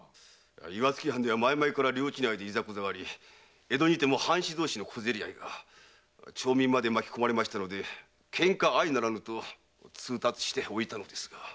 岩槻藩では前々から領地内でいざこざがあり江戸でも藩士同士の小競り合い町民まで巻き込まれたので喧嘩相成らぬと通達したのですが。